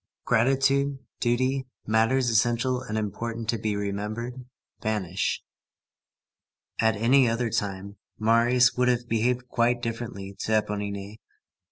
Gratitude, duty, matters essential and important to be remembered, vanish. At any other time, Marius would have behaved quite differently to Éponine.